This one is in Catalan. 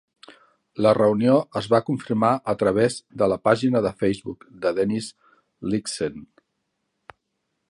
La reunió es va confirmar a través de la pàgina de Facebook de Dennis Lyxzen.